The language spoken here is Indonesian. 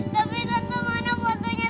tapi tante mana fotonya tante